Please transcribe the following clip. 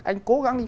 anh cố gắng đi